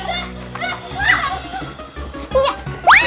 tiduuu buruan buruan